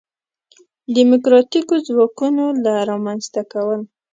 دیموکراتیکو ځواکونو نه رامنځته کول.